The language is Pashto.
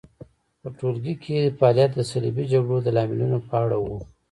په ټولګي کې فعالیت د صلیبي جګړو د لاملونو په اړه و.